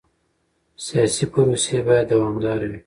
سیاسي پروسې باید دوامداره وي